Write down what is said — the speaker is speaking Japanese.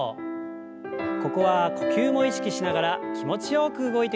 ここは呼吸も意識しながら気持ちよく動いてください。